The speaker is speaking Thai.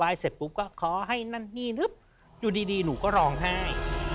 เสร็จปุ๊บก็ขอให้นั่นนี่นึกอยู่ดีดีหนูก็ร้องไห้